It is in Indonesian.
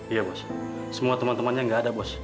iya bos semua teman temannya nggak ada bos